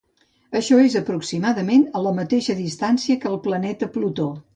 Això és aproximadament a la mateixa distància que el planeta Plutó.